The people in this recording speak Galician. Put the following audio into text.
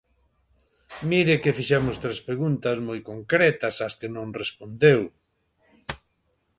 Mire que fixemos tres preguntas moi concretas ás que non respondeu.